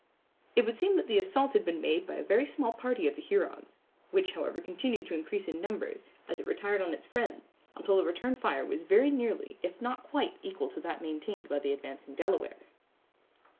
It would seem that the assault had been made by a very small party of the Hurons, which, however, continued to increase in numbers, as it retired on its friends, until the return fire was very nearly, if not quite, equal to that maintained by the advancing Delawares.